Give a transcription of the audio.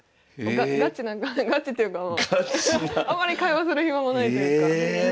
ガチなんかガチっていうかもうあんまり会話する暇もないというか。